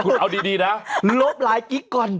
คุณเอาดีนะลบหลายกิ๊กก่อน